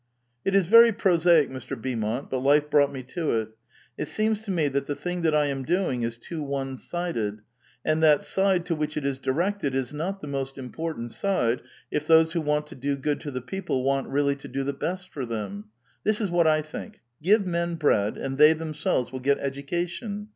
''It is very prosaic, Mr. Beaumont, but life brought me to it. It seems to me that the thing that I am doing is too one sided; and that side to which it is directed is not the most important side, if those who want to do good to the people want really to do the best for them ; this is what I think : give men bread, and they themselves will get educa tion.